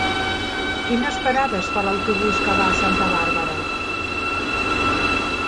Quines parades fa l'autobús que va a Santa Bàrbara?